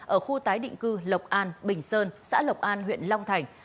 ở khu tái định cư lộc an bình sơn xã lộc an huyện long thành